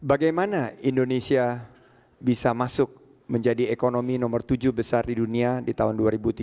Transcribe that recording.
bagaimana indonesia bisa masuk menjadi ekonomi nomor tujuh besar di dunia di tahun dua ribu tiga puluh dua ribu tiga puluh lima